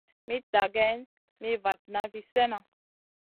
Mitta geyn mi vatna vi slèhna.